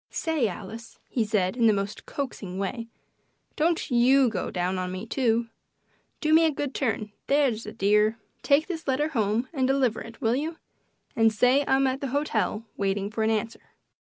"Say, Alice," he said, in the most coaxing way, "don't YOU get down on me, too. Do me a good turn that's a dear. Take this letter home and deliver it. Will you? And say I'm at the hotel waiting for an answer."